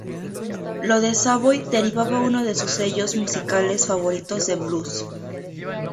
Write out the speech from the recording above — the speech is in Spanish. Lo de Savoy derivaba de uno de sus sellos musicales favoritos de blues.